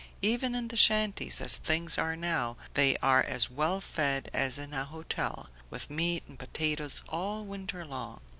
Even in the shanties, as things are now, they are as well fed as in a hotel, with meat and potatoes all winter long.